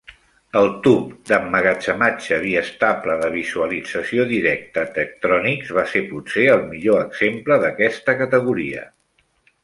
El tub d'emmagatzematge biestable de visualització directa Tektronix va ser potser el millor exemple d'aquesta categoria.